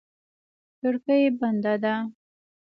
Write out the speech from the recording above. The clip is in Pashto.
کړکۍ بنده ده.